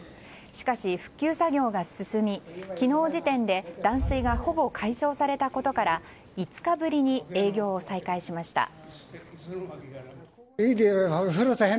しかし復旧作業が進み昨日時点で断水がほぼ解消されたことから５日ぶりに営業を再開しました。